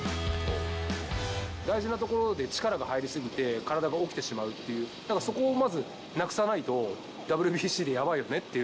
大事なところで力が入り過ぎて、体が起きてしまうっていう、なんかそこをまずなくさないと、ＷＢＣでやばいよねっていう。